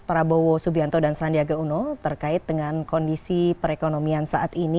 prabowo subianto dan sandiaga uno terkait dengan kondisi perekonomian saat ini